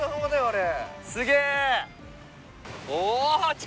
すげえ。